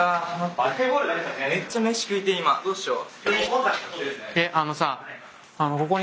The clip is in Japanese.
どうしよう。